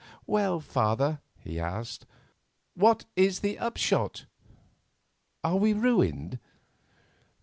"Well, father," he asked, "what is the upshot? Are we ruined?"